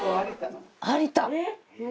有田！